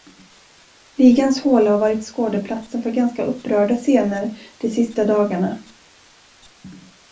Ligans håla har varit skådeplatsen för ganska upprörda scener de sista dagarna.